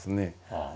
ああ。